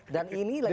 dan ini lagi